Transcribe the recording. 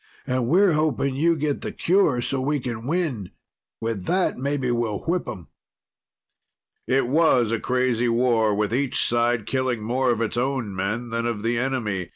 And we're hoping you get the cure so we can win. With that, maybe we'll whip them." It was a crazy war, with each side killing more of its own men than of the enemy.